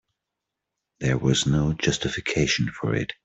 There was no justification for it.